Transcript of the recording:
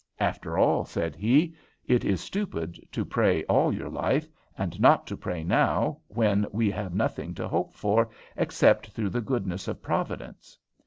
"After all," said he, "it is stupid to pray all your life, and not to pray now when we have nothing to hope for except through the goodness of Providence."